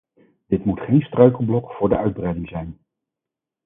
Dit moet geen struikelblok voor de uitbreiding zijn.